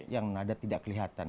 yang nada tidak kelihatan